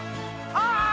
ああ！